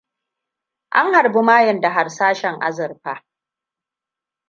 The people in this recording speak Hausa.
An harbi mayen da harsashin azurfa.